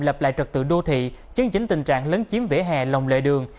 lập lại trật tự đô thị chấn chính tình trạng lớn chiếm vỉa hè lồng lệ đường